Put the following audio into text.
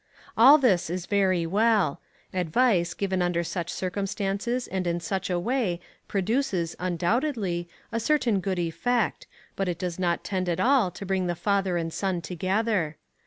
All this is very well. Advice given under such circumstances and in such a way produces, undoubtedly, a certain good effect, but it does not tend at all to bring the father and son together.